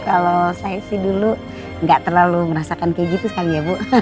kalau saya sih dulu nggak terlalu merasakan kayak gitu sekali ya bu